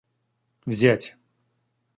взять